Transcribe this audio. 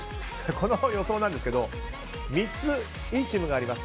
この予想なんですけど３つ、いいチームがあります。